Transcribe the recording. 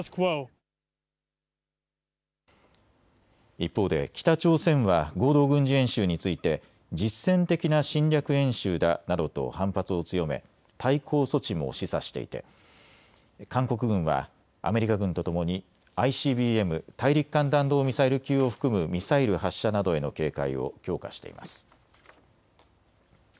一方で北朝鮮は合同軍事演習について実戦的な侵略演習だなどと反発を強め対抗措置も示唆していて韓国軍はアメリカ軍とともにＩＣＢＭ・大陸間弾道ミサイル級を含むミサイル発射などへの警戒を強化しています。